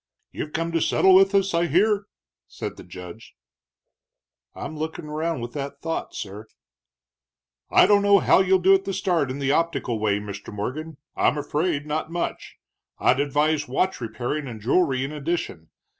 "You've come to settle with us, I hear?" said the judge. "I'm looking around with that thought, sir." "I don't know how you'll do at the start in the optical way, Mr. Morgan I'm afraid not much. I'd advise watch repairing and jewelry in addition.